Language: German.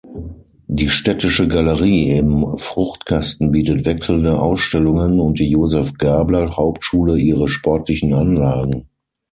Die Städtische Galerie im Fruchtkasten bietet wechselnde Ausstellungen und die Josef-Gabler-Hauptschule ihre sportlichen Anlagen.